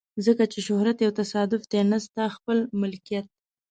ځکه چې شهرت یو تصادف دی نه ستا خپله ملکیت.